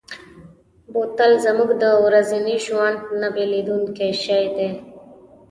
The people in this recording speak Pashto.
بوتل زموږ د ورځني ژوند نه بېلېدونکی شی دی.